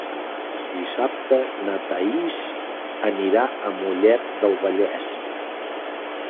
Dissabte na Thaís anirà a Mollet del Vallès.